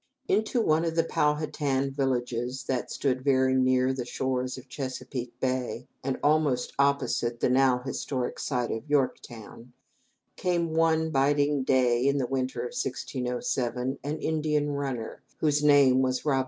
Into one of the Pow ha tan villages that stood very near the shores of Chesapeake Bay, and almost opposite the now historic site of Yorktown, came one biting day, in the winter of 1607, an Indian runner, whose name was Ra bun ta.